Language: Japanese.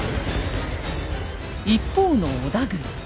一方の織田軍。